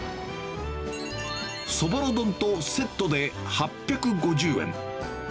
そぼろ丼とセットで８５０円。